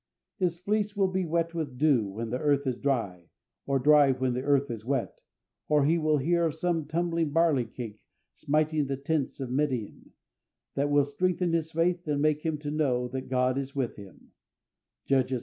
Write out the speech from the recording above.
His fleece will be wet with dew when the earth is dry, or dry when the earth is wet; or he will hear of some tumbling barley cake smiting the tents of Midian, that will strengthen his faith, and make him to know that God is with him (Judges vi.